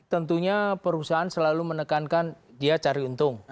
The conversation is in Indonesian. tentunya perusahaan selalu menekankan dia cari untung